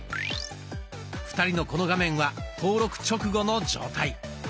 ２人のこの画面は登録直後の状態。